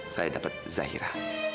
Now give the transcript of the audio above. saya dapet zahira